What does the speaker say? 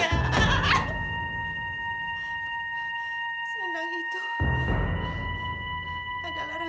adalah rahasia yang harus saya simpan sampai mati